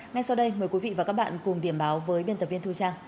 ngay sau đây mời quý vị và các bạn cùng điểm báo với biên tập viên thu trang